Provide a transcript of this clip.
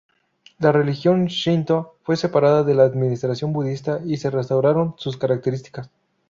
La religión Shinto fue separada de la administración Budista y se restauraron sus características.